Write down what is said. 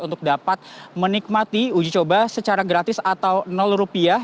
untuk dapat menikmati uji coba secara gratis atau rupiah